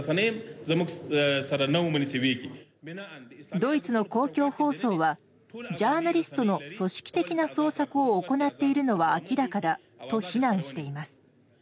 ドイツの公共放送はジャーナリストの組織的な捜索を行っているのは明らかだと非難しています。